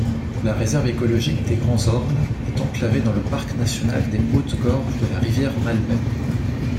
La réserve écologique des Grands-Ormes est enclavée dans le parc national des Hautes-Gorges-de-la-Rivière-Malbaie.